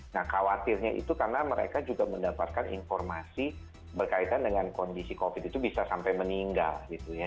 nah khawatirnya itu karena mereka juga mendapatkan informasi berkaitan dengan kondisi covid itu bisa sampai meninggal gitu ya